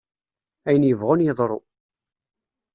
Ayen yebɣun yeḍru!